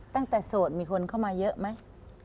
ตั้งแต่สดมีคนเข้ามาเยอะไหม